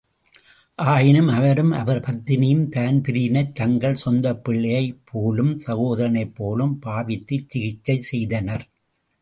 ஆயினும், அவரும் அவர் பத்தினியும் தான்பிரீனைத் தங்கள் சொந்தப்பிள்ளையைப் போலும், சகோதரனைப்போலும் பாவித்துச்சிகிச்சை செய்தனர்.